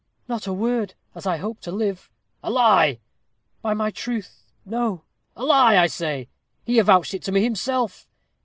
"Not a word, as I hope to live." "A lie!" "By my truth, no." "A lie, I say. He avouched it to me himself."